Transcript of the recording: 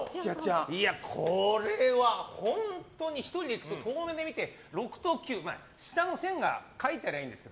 これは本当に、１人で行くと遠目で見て、６と９、下の線が書いてあればいいんです。